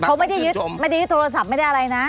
เขาไม่ได้ยึดโทรศัพท์ไม่ได้อะไรนะ